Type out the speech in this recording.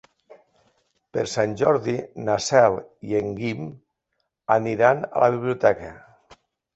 Per Sant Jordi na Cel i en Guim aniran a la biblioteca.